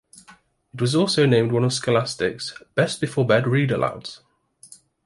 It was also named one of Scholastic's "Best Before-Bed Read-Alouds".